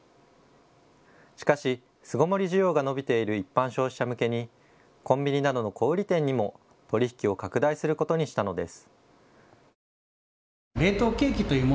しかし巣ごもり需要が伸びている一般消費者向けにコンビニなどの小売店にも取り引きを拡大することにしたのです。